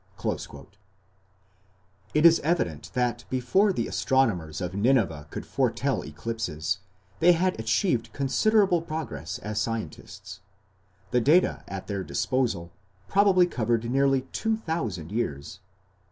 " It is evident that before the astronomers at Nineveh could foretell eclipses, they had achieved considerable progress as scientists. The data at their disposal probably covered nearly two thousand years.